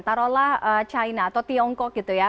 taruhlah china atau tiongkok gitu ya